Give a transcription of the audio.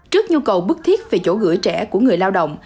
trước nhu cầu bức thiết về chỗ gửi trẻ của người lao động